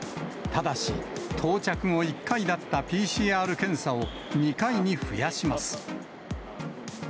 ただし、到着後１回だったＰＣＲ検査を２回に増やします。